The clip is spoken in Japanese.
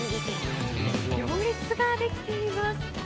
行列ができています。